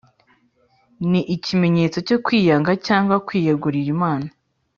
Ni ikimenyetso cyo kwiyanga cyangwa kwiyegurira Imana